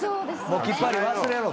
もうきっぱり忘れろと。